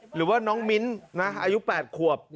หรือว่าน้องมิ้นอายุ๘ขวบ